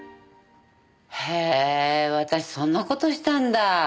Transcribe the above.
へえ私そんな事したんだ。